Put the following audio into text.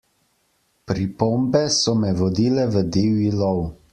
Pripombe so me vodile v divji lov.